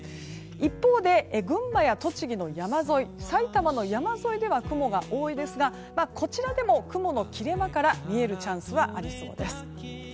一方で、群馬や栃木の山沿いさいたまの山沿いでは雲が多いですがこちらでも雲の切れ間から見えるチャンスはありそうです。